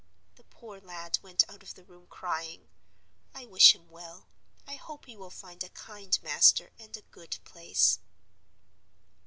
The poor lad went out of the room crying. I wish him well; I hope he will find a kind master and a good place.